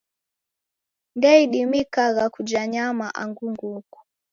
Ndeidimikagha kuja nyama angu nguku.